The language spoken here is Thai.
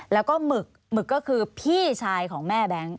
แล้วก็หมึกหมึกก็คือพี่ชายของแม่แบงค์